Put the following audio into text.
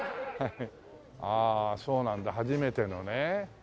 ああそうなんだ初めてのね。